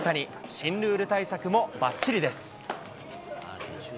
新ルール対策もばっちりです。